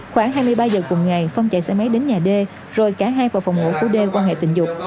khoảng hai mươi ba giờ cùng ngày phong chạy xe máy đến nhà đê rồi cả hai vào phòng ngủ của đê qua ngày tình dục